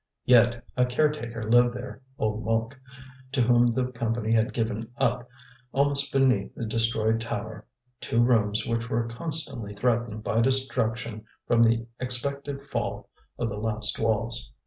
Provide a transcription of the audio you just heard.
Yet a caretaker lived there, old Mouque, to whom the Company had given up, almost beneath the destroyed tower, two rooms which were constantly threatened by destruction from the expected fall of the last walls.